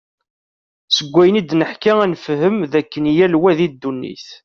Seg wayen id-neḥka ad nefhem, d akken yal wa di ddunit.